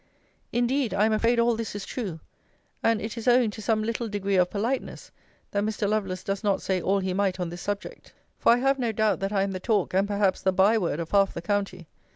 Indeed, I am afraid all this is true: and it is owing to some little degree of politeness, that Mr. Lovelace does not say all he might on this subject: for I have no doubt that I am the talk, and perhaps the bye word of half the county.